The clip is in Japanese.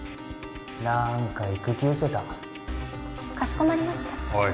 なんか行く気うせたかしこまりましたおい